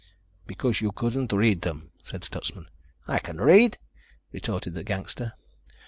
"Because you couldn't read them," said Stutsman. "I can read," retorted the gangster.